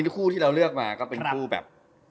คู่ที่เราเลือกมาก็เป็นคู่แบบ